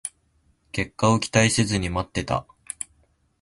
結果を期待せずに待ってた